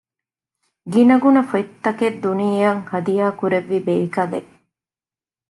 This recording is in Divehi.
ގިނަގުނަ ފޮތްތަކެއް ދުނިޔެއަށް ހަދިޔާކުރެއްވި ބޭކަލެއް